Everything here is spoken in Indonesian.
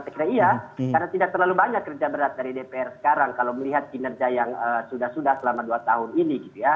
saya kira iya karena tidak terlalu banyak kerja berat dari dpr sekarang kalau melihat kinerja yang sudah sudah selama dua tahun ini gitu ya